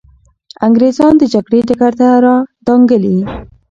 انګریزان د جګړې ډګر ته را دانګلي.